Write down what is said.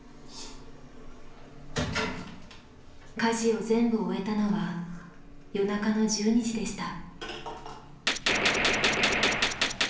家事を全部終えたのは夜中の１２時でした。